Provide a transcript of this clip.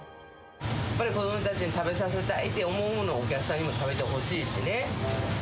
やっぱり子どもたちに食べさせたいと思うものを、お客さんにも食べてほしいしね。